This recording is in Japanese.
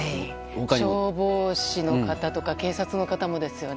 消防士の方とか警察の方もですよね。